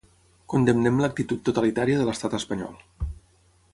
Condemnem l’actitud totalitària de l’estat espanyol.